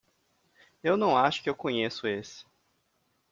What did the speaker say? Eu não acho que eu conheço esse.